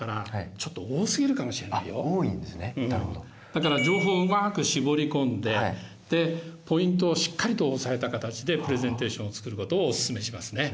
だから情報をうまく絞り込んででポイントをしっかりと押さえた形でプレゼンテーションを作ることをおすすめしますね。